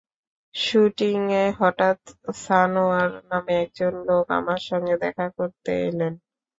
শুটিংয়ে হঠাৎ সানোয়ার নামে একজন লোক আমার সঙ্গে দেখা করতে এলেন।